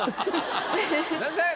先生！